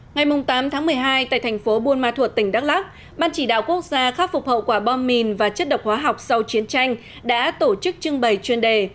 ngày tám tháng một mươi hai tại thành phố buôn ma thuột tỉnh đắk lắc ban chỉ đạo quốc gia khắc phục hậu quả bom mìn và chất độc hóa học sau chiến tranh đã tổ chức trưng bày chuyên đề